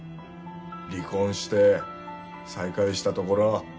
離婚して再会したところ。